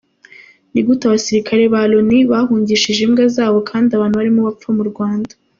Ni gute abasirikare ba Loni bahungishije imbwa zabo kandi abantu barimo bapfa mu Rwanda.